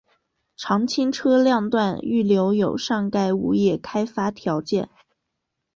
常青车辆段预留有上盖物业开发条件。